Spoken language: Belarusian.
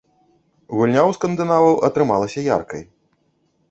Гульня ў скандынаваў атрымалася яркай.